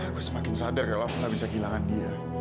aku semakin sadar bahwa aku nggak bisa kehilangan dia